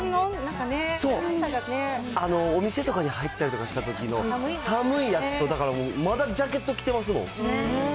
そう、お店とかに入ったりとかしたとき、寒いやつと、だからまだジャケット着てますもん。